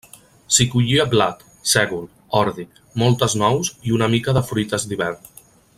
S'hi collia blat, sègol, ordi, moltes nous i una mica de fruites d'hivern.